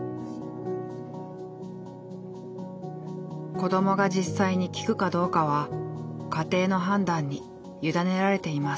子どもが実際に聞くかどうかは家庭の判断に委ねられています。